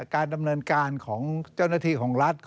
การดำเนินการของเจ้าหน้าที่ของรัฐ